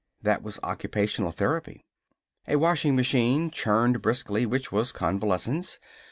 That was occupational therapy. A washing machine churned briskly, which was convalescence.